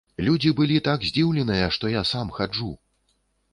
Людзі былі так здзіўленыя, што я сам хаджу!